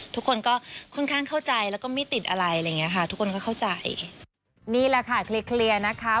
ทุกคนก็ค่อนข้างเข้าใจแล้วก็ไม่ติดอะไรอะไรอย่างเงี้ยค่ะ